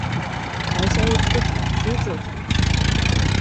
会社へ行くとき、スーツを着ます。